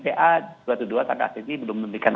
pa dua ratus dua belas tanda asisi belum memberikan